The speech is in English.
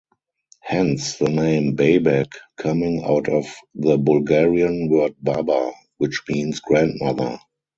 Hence the name "Babek" coming out of the Bulgarian word "Baba" which means grandmother.